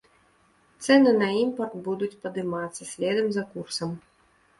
Цэны на імпарт будуць падымацца следам за курсам.